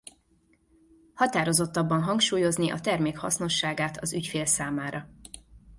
Határozottabban hangsúlyozni a termék hasznosságát az ügyfél számára.